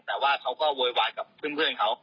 แต่ว่าเขาก็โวยวายกับเพื่อนเขา